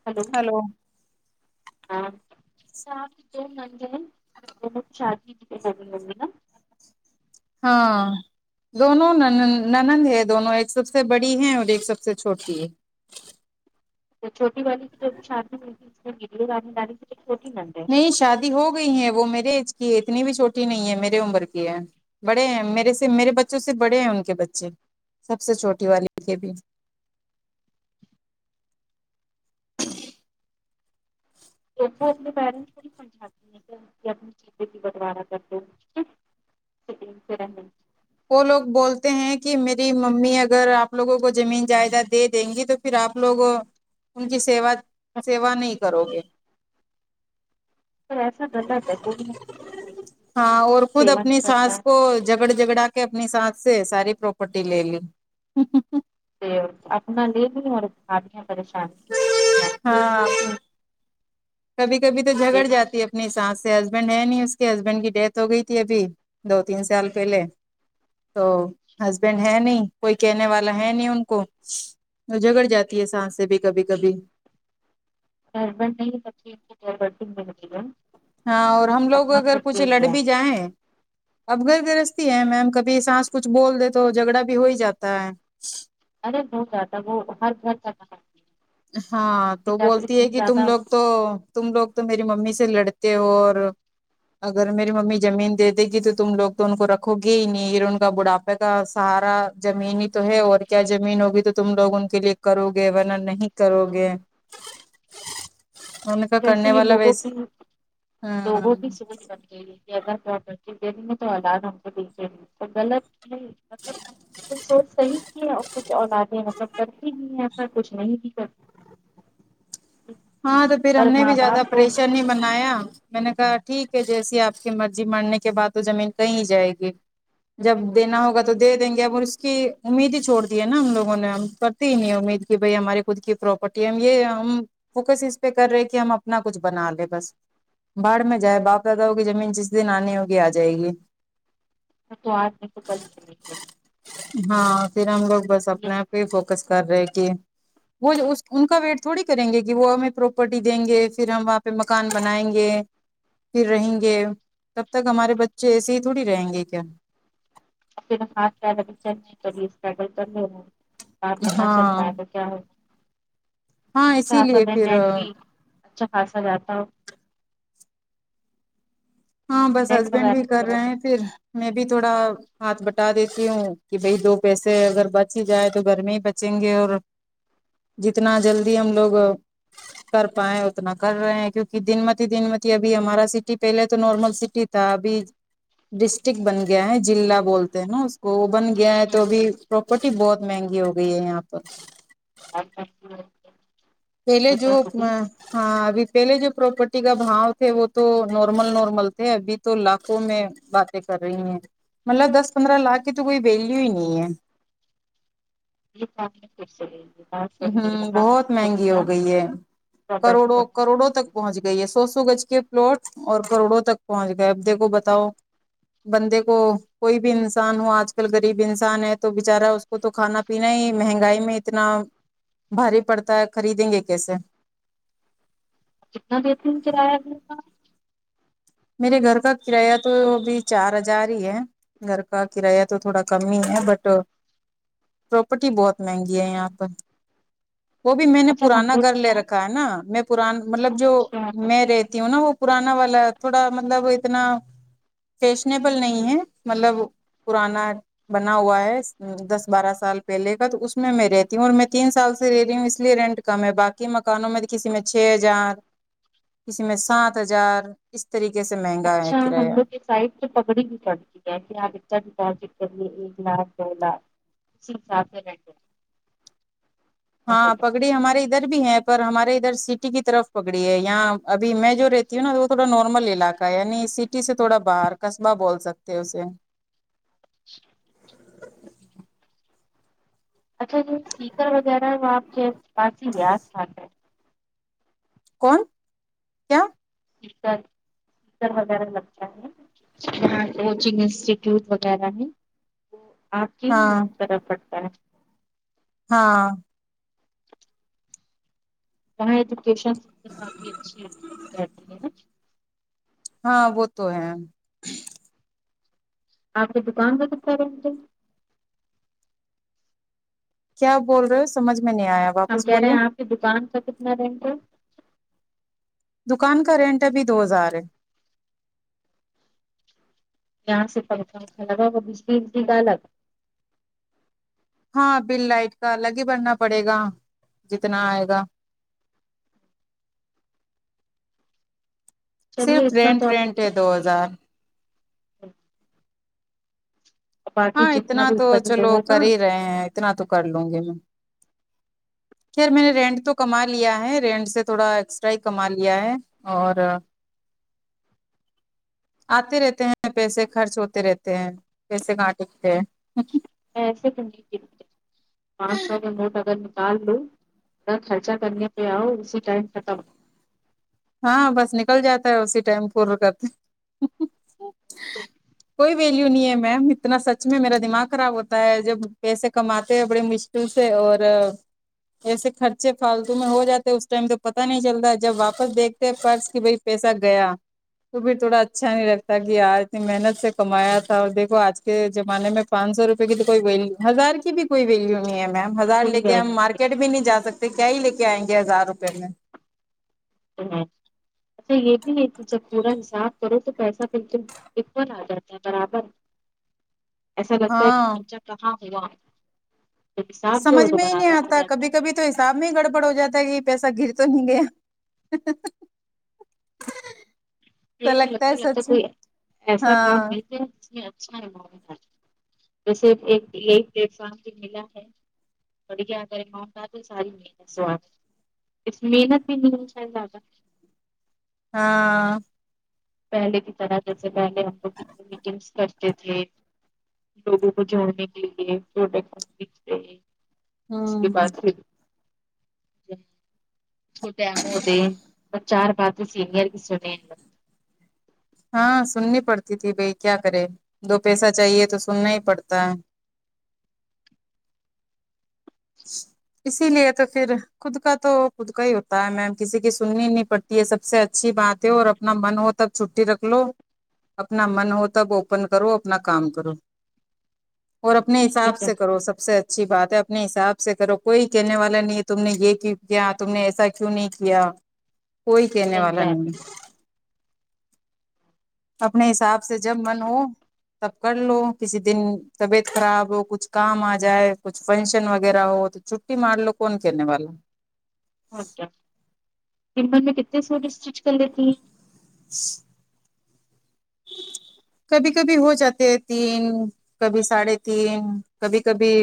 Hello hello ہاں چار دو منے ہیں بت شادی کرنی ہوی نا ہاں دونوں ننند ہے دونوں ایک سب سے بڑی ہے اور ایک سب سے چھوٹی ہے تو چھوٹی والی کی جو بھی شادی ہوئی تھی اس میں ویڈیو آانی ڈالی ت چھوٹی ن نہیں شادی ہو گئی ہے وہ میرے ایج کی ہے اتنی بھی چھوٹی نہیں ہے میرے عمر کی ہے بڑے ہیں میرے سے میرے بچوں سے بڑے ہیں ان کے بچے سب سے چھوٹی والی کے بھی تو اپنے پنٹس کو سمھات ہیں کہ اپنی چیز بٹوارہ کر دو ج پ رہن وہ لوگ بولتے ہیں کہ میری ممی اگر آپ لوگوں کو زمین جائیداد دے دیں گی تو پھر آپ لوگ ان کی سیوا سیوا نہیں کرو گے س ایسا غلط ہے کوئی ہاں اور خود سیوا نہیں اپنی کرتا سانس ہے کو جگڑ جگڑا کے اپنی سانس سے ساری پراپرٹی لے لی اپنا لیے بھی اور آ ہیں پریشانی ہاں کبھی کبھی تو جھگڑ دیکھنا، جاتی ہے اپنی سانس سے ہسبینڈ ہے نہیں اس کے ہسبینڈ کی ڈیتھ ہو گئی تھی ابھی دو تین سال پہلے تو ہسبینڈ ہے نہیں کوئی کہنے والا ہے نہیں ان کو جھگڑ جاتی ہے ساس سے بھی کبھی کبھی ربٹ نہیں برب بھی ملتی ہے ہاں اور ہم لوگ اپنا اگر خود کچھ لے لڑ لیا بھی ہے، جائیں اب گھر گرستی ہے میم کبھی سانس کچھ بول دے تو جھگڑا بھی ہو ہی جاتا ہے ارے ہو جاتا ہے وہ ہر گھر کا کہ ہاں تو بولتی ہے کہ تم زیادہ لوگ تو تم لوگ تو میری ممی سے لڑتے ہو اور اگر میری ممی زمین دے دے گی تو تم لوگ تو ان کو رکھو گے ہی نہیں ان کا بڑاپا کا سہارا زمین ہی تو ہے اور کیا زمین ہوگی تو تم لوگ ان کے لیے کرو گے ورنہ نہیں کرو گے م ویسے یہ لوگوں کی ہاں لوگوں کی سکچ بن گئی ہے [unintelligible] تو سوچ صحیح کی ہے اور کچھ اولادیں مطلب کرتی بھی ہیں ایسا کچھ نہیں بھی کرتی ہاں تو پھر ہم پر نے ماں بھی زیادہ باپ کو پریشا نہیں بنایا میں نے کہا ٹھیک ہے جیسی آپ کی مرضی مرنے کے بعد تو زمین کہیں جائے گی جب دینا ہوگا تو دے دیں گے اب اور اس کی امید ہی چھوڑ دی ہے نا ہم لوگوں نے ہم نہیں امید کی بھائی ہمارے خود کی پراپرٹی ہے ہم یہ ہم فوکس اس پہ کر رہے کہ ہم اپنا کچھ بنا لے بس باہڑ میں جائے باپ داناؤں کی زمین جس دن آنی ہوگی آ جائے گی تو آج نہیں تو کل چاہے ہاں پھر ہم لوگ بس اپنے آپ پے ہی فوکس کر رہے کہ وہ ان کا ویٹ تھوڑی کریں گے کہ وہ ہمیں پراپرٹی دیں گے پھر ہم وہاں پہ مکان بنائیں گے پھر رہیں گے تب تک ہمارے بچے ایسے ہی تھوڑی رہیں گے کیا ہاں [unintelligible] ہاں [unintelligible] اسی لیے پھر اچھا خاصا جاتا ہو ہاں بس رینٹ ہسبینڈ بھی کر وغیرہ رہے ہیں پھر میں بھی تھوڑا ہاتھ بٹا دیتی ہوں کہ بھائی دو پیسے اگر بچ ہی جائے تو گھر میں ہی بچیں گے اور جتنا جلدی ہم لوگ کر پائے اتنا کر رہے ہیں کیونکہ دن متی ہی دن متی ابھی ہمارا سٹی پہلس تو نارمل سٹی تھا ابھی ڈسٹرکٹ بن گیا ہے جلع بولتے ہیں نا اس کو وہ بن گیا ہے تو ابھی پراپرٹی بہت مہنگی ہو گئی ہے یہاں پر اچھا پہلے جو میں ہاں ابھی پہلے جو پراپرٹی کا بھاؤ تھے وہ تو نارمل نارمل تھے ابھی تو لاکھوں میں باتیں کر رہی ہیں مطلب دس پندرہ لاکھ کی تو کوئی ویلو ہی نہیں ہے پھر لاکے پھر سے لی ہوں بہت مہنگی ہو گئی ہے پراپرٹی کروڑوں بہت کروڑوں تک پہنچ گئی ہے سو سو گز کے پلاٹ اور کروڑوں تک پہنچ گئے اب دیکھو بتاؤ بندے کو کوئی بھی انسان ہو آج کل غریب انسان ہے تو بچارا کو تو کھانا پینا ہی مہنگائی میں اتنا بھاری پڑتا ہے خریدیں گے کیسے کتنا دیتی ہے کرایا اتنا میرے گھر کا کرایہ تو ابھی چار ہزار ہی ہے گھر کا کرایہ تو تھوڑا کم ہی ہے بٹ پراپرٹی بہت مہنگی ہے یہاں پر وہ بھی میں نے اچھا ہم پرانا لوگ گھر کیا لے رکھا ہے نا میں پرانا مطلب جو اچھا میں رہتی ہوں نا وہ پرانا والا تھوڑا مطلب اتنا فیشنیبل نہیں ہے مطلب پرانا بنا ہوا ہے دس بارہ سال پہلے کا تو اس میں رہتی ہوں اور میں تین سال سے رہی ہوں اس لیے رینٹ کم ہے باقی مکانوں میں تو کسی میں چھ ہزار کسی میں سات ہزار اس طریقے سے مہنگا ہے اچھا ہم کرایہ لوگ کے سائڈ سے پکڑی بھی پھڑتی ہے پھر آگے جا کے بھی پانچ ایکڑ ایک لاکھ دو لاکھ صرف ساتھ میں رہتے ہے ہاں پگڑی ہمارے ادھر بھی ہے پر ہمارے ادھر سٹی کی طرف پگڑی ہے یہاں ابھی میں جو رہتی ہوں نا وہ تھوا نارمل علاقہ ہے یعنی سی سے تھوڑا باہر قصبہ بول سکتے اسے اچھا جو سیکر وغیرہ وہ آپ کے پاس ہی یاس کے ہیں کون کیا [unintelligible] وغیرہ وغیرہ لگتا ہے وچنگ انسٹیٹیوٹ وغیرہ نہیں آپ کی ہاں طرح پڑتا ہے ہاں وہاں ایجوکیشن کافی اچھی ہے ہوجاتی ہے نہ ہاں وہ تو ہے آپ کی دکان کا کتنا بنتا کیا بول رہے ہو سمجھ میں نہیں آیا ہم واپس کہہ رہے بولیے ہیں آپ کی دکان کا کتنا رینٹ ہے دکان کا رینٹ ابھی دو ہزار ہے یہاں سے وہ بجلی بجلی کا الگ ہاں بل لائٹ کا الگ ہی بننا پڑے گا جتنا آئے گا صرف چلیے اتنا رینٹ تو آپ نے رینٹ ہے کر دو ہزار دیا، باقی ہاں جتنا اتنا بھی تو اوپر چلو لوگوں کا کر ہی رہے ہیں اتنا تو کر لوں گی میں خیر میں نے رینٹ تو کما لیا ہے رینٹ سے تھوڑا ایکسٹرا ہی کما لیا ہے اور آتے رہتے ہیں پیسے خرچ ہوتے رہتے ہیں پیسے کہاں ٹک تے ہیں پانچ ساؤ کا نوٹ اگر کال لو اگر خرچہ کرنے پہ آؤ اسی ٹائم ختم ہو ہاں بس نکل جاتا ہے اسی ٹائم پور کرتے [unintelligible] کوئی ویلیو نہیں ہے معم اتنا سچ میں میرا دماغ خراب ہوتا ہے جب پیسے کماتے ہیں بڑی مشل سے اور ایسے خرچے فالتو میں ہو جاتے اس ٹائم تو پتا نہیں چلتا جب واپس دیکھ تیرے پرس کہ بھائی پیسہ گیا تو پھر تھوڑا اچھا نہیں لگتا کا یار اتنی محنت سے کمایا تھا اور دیکھو آج کے زمانے میں پانچ سو روپے کی تو کوئی ویلیو ہزار کی بھی کوئی ویلیو نہیں ہے معم ہزار کوئی لے کے ہم ویلیو مارکیٹ بھی نہیں جا سکتے کیا ہی لے کے آئیں گے ہزار روپئے میں ا اچھا یہ بھی ہے کہ جب پورا حساب کرو تو پیسہ بالکل اکن آ جاتا ہے برابر ایسا لگتا ہے کہ ہاں خرچہ کہاں ہوا جب حساب سمجھ کر تو میں ہی نہیں برابر آ آتا جاتا کبھی ہے کبھی تو حساب میں ہی گڑبڑ ہو جاتا ہے کہ یہ پیسہ گر تو نہیں گیا ایسا یہ تو لگتا ہے لگتا سچ کوئی ایسا کام ہاں نہیں تھا اچ تو صرف ایک یہی پلیٹ فارم بھی ملا ہے ابھی کیا کارے معمولات میں تھڑی ساری اس محنت بھی نہیں ہوتا زدہ ہاں پہلے کی طرح جیسے پہلے ہم لوگ کتنی میٹنگس کرتے تھے لوگوں کو جوڑنے کے لیے چھوٹے اس کے ہوں بعد پھر اس کو م ہوتے ہیں چار بانچ سینئر بھی ستے ہیں ہاں سننی پڑتی تھی بھائی کیا کرے دو پیسہ چاہیے تو سننا ہی پڑتا ہے اسی لیے تو پھر خود کا تو خود کا ہی ہوتا ہے میم کسی کی سننی ہی نہیں پڑتی ہے سب سے اچھی بات ہے اور اپنا من ہوتا تب چھٹی رکھ لو اپنا من ہو تب اوپن کرو اپنا کام کرو اور اپنے لوگ۔ یہ حساب تو سے کرو سب سے اچھی بات ہے اپنے حساب سے کرو کوئی کہنے والا نہیں ہے تم نے یہ کیوں کیا تم نے ایسا کیوں نہیں کیا کوئی کہنے صحیح والا کہہ رہے نہیں ہے اپنے حساب سے جب من ہو تب کر لو کسی دن طبیعت خراب ہو کچھ کام آ جائے کچھ فنکشن وغیرہ ہو تو چھٹی مار لو کون کرنے والا اچھا دن بھر میں کتنے سوٹ اسٹچ کر لیتی ہیں کبھی کبھی ہو جاتے ہیں تین کبھی ساڑھے تین کبھی کبھی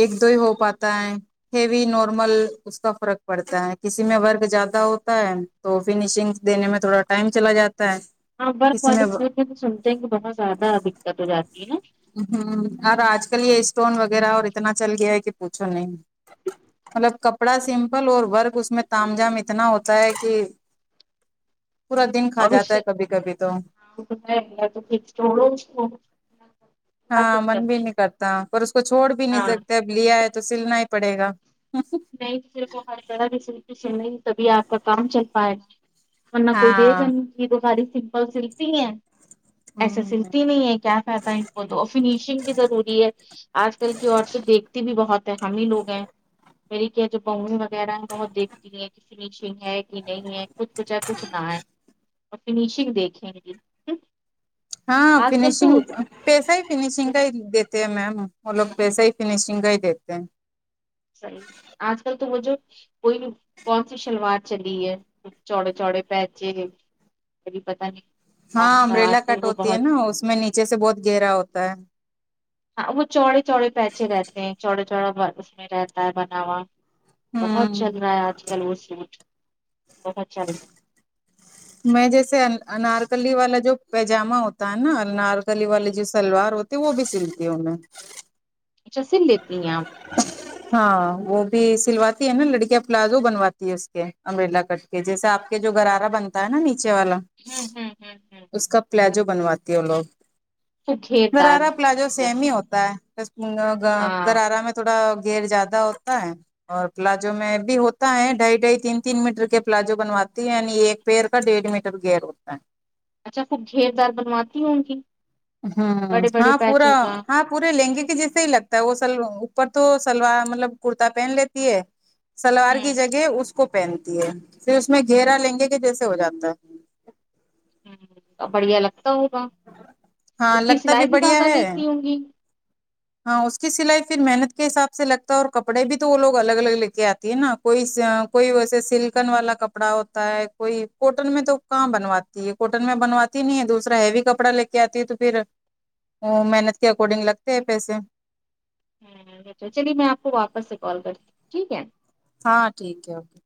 ایک دو ہی ہو پاتا ہے ہیوی نارمل اس کا فرق پڑتا ہے کسی میں ورک زیادہ ہوتا ہے تو فنیشنگ دینے میں تھوڑا ٹائم چلا جاتا ہے ورک والے سچ میں تو سنتے ہیں کہ بہت زیادہ دقت ہو جاتی ہے ہم اور آج کل یہ اسٹون وغیرہ اور اتنا چل گیا ہے کہ پوچھو نہیں مطلب کپڑا سمپل اور ورک اس میں تم جام اتنا ہوتا ہے کہ پورا دن کھا اور اس جاتا سے ہے کبھی کبھی تو [unintelligible] ہاں پھر من جب بھی نہیں کرتا پر اس کو چھوڑ بھی نہیں ہاں سکتے اب لیا ہے تو سلنا ہی پڑے گا نہیں تو صرف وہ ہر طرح کی سلوئ سل رہی تبھی آپ کا کام چل پائے ورنہ کوئی دے ہاں د یہ دو ساری سمپل سلکتی ہیں ایسے ہ سلتی نہیں ہے کیا کہتا ہے ان کو تو اور فنیشنگ بھی ضروری ہے آج کل کی عورتے تو دیکھتی بھی بہت ہے ہم ہی لوگ ہیں میری کیا جو بہنی وغیرہ ہیں بہت دیکھتی ہے فنیشنگ ہے کہ نہیں ہے کچھ کچھ ہے کچھ نہ ہے اور فنیشنگ دیکھیں گی ہاں آج کل فینشنگ تو پیسہ ہی فنیشنگ کا ہی دیتے ہیں میم وہ لوگ پیسہ ہی فنیشنگ کا ہی دیتے ہیں صحیح آج کل تو وہ جو کوئی بھی کون سی شلوار چلی ہے چوڑے چوڑے پہچے مری پتا نہیں ہاں کون سا امبریلا آج کل کٹ وہ ہوتی ہے بہت نا اس میں نیچے سے بہت گہرا ہوتا ہے ہاں وہ چوڑے چوڑے پیچے رہتے ہیں چوڑے چوڑا اس میں رہتا ہے بنا ہوا بہت ہوں چل رہا ہے آج کل وہ سوٹ بہت چل رہا ہے میں جیسے انارکلی والا جو پیجامہ ہوتا ہے نا انارکلی ہے والے ہوں جس سلوار ہوتی ہے وہ بھی سلتی ہوں میں اچھا سل لیتی ہیں آپ ہاں وہ بھی سلواتی ہے نا لڑکیاں پلازو بنواتی ہے اس کے امبریلا کٹ کہ جیسے آپ کے جو گرارا بنتا ہے نا نیچے والا ہوں ہوں ہوں ہوں اس کا پلاجو بنواتی ہے لوگ خوب گھیردار گرارا پلازو سیم جیسے ہی ہوتا ہے ہاں گرارا میں تھوڑا گھیر زیادہ ہوتا ہے اور پلازو میں بھی ہوتا ہے ڈھائی ڈھائی تین تین میٹر کے پلازو بنواتی ہے یعنی ایک پیر کا ڈیڑھ میٹر گیئر ہوتا ہے اچھا خوب گھیردار بنواتی ہوں ان کی ہوں ہاں پورا ہاں پورے لہنگے کے جیسے ہی لگتا ہے وہ سلو اوپر تو سلوار مطلب کرتا پہن لیتی ہے سلوار کی ہوں جگہ اس کو پہنتی ہے پھر اس میں گھیرا لہنگے کہ جیسے ہو جاتا ہے ہ بڑھیا لگتا ہوگا ہاں اس کی لگتا سلائی بھی بڑھیا زیادہ ہے لیتی ہوں گی ہاں اس کی سلائی پھر محنت کے حساب سے لگتا ہے اور کپڑے بھی تو وہ لوگ الگ الگ لے کے آتے تہے نا کوئی کوئی ویسے سلکن والا کپڑا ہوتا ہے کوئی کوٹن میں تو کہاں بنواتی ہے کوٹن میں بنواتی نہیں ہے دوسرا ہیوی کپڑا لے کے آتی ہے تو پھر ا محنت کے اکارڈنگ لگتے ہیں پیسے ہمم چلیے میں آپ کو واپس سے کال کرتی ہوں ٹھیک ہے ہاں ٹھیک ہے اوکے